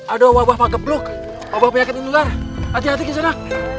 ada wabah pake bluk wabah penyakit nular hati hati kesana